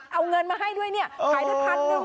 เอาเงินมาให้ด้วยขายเท่า๑๐๐๐บาทหนึ่ง